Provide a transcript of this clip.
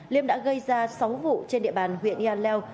liêm đã gây ra sáu vụ trên địa bàn huyện yaleo